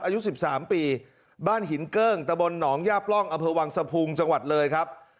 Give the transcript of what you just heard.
อายุ๑๓ปีบ้านหินเกิ้งตะบนหนองย่าปล่องอำเภอวังสะพุงจังหวัดเลยครับ